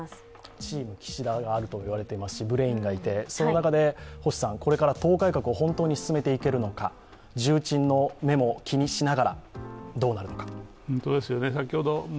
チーム岸田と言われていますし、ブレインがいてその中でこれから党改革を本当に進めていけるのか重鎮の目も気にしながらどうなるのか。